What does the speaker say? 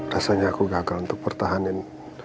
rasanya aku gagal untuk pertahanin